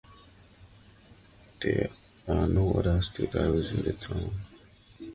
There are no other state highways in the town.